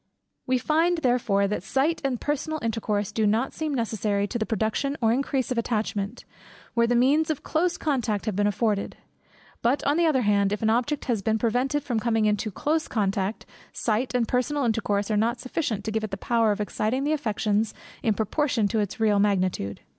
We find therefore that sight and personal intercourse do not seem necessary to the production or increase of attachment, where the means of close contact have been afforded; but on the other hand, if an object have been prevented from coming into close contact, sight and personal intercourse are not sufficient to give it the power of exciting the affections in proportion to its real magnitude.